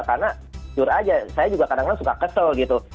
karena jujur aja saya juga kadang kadang suka kesel gitu